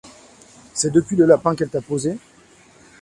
C'est depuis le lapin qu'elle t'a posé ?